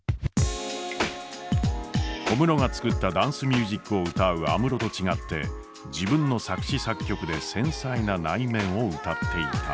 小室が作ったダンスミュージックを歌う安室と違って自分の作詞作曲で繊細な内面を歌っていた。